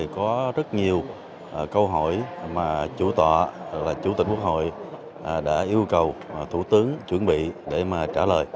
có rất nhiều câu hỏi mà chủ tòa chủ tỉnh quốc hội đã yêu cầu thủ tướng chuẩn bị để mà trả lời